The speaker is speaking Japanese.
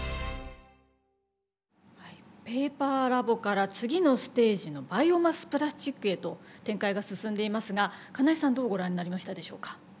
ペーパーラボから次のステージのバイオマスプラスチックへと展開が進んでいますが金井さんどうご覧になりましたでしょうか？